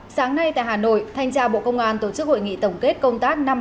sáng nay tại hà nội thanh tra bộ công an tổ chức hội nghị tổng kết công tác năm hai nghìn hai mươi ba